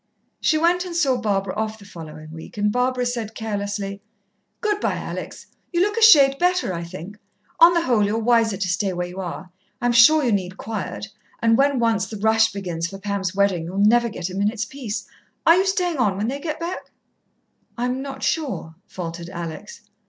She went and saw Barbara off the following week, and Barbara said carelessly: "Good bye, Alex. You look a shade better, I think. On the whole you're wiser to stay where you are I'm sure you need quiet, and when once the rush begins for Pam's wedding, you'll never get a minute's peace. Are you staying on when they get back?" "I'm not sure," faltered Alex.